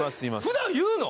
普段言うの？